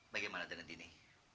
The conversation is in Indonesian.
bagaimana dengan dini